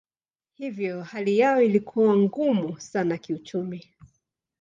Hivyo hali yao ilikuwa ngumu sana kiuchumi.